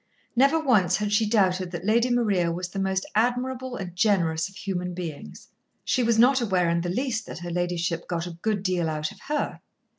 Never once had she doubted that Lady Maria was the most admirable and generous of human beings. She was not aware in the least that her ladyship got a good deal out of her.